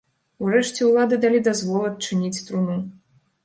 Урэшце ўлады далі дазвол адчыніць труну.